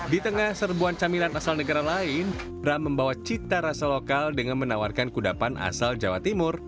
di tengah serbuan camilan asal negara lain bram membawa cita rasa lokal dengan menawarkan kudapan asal jawa timur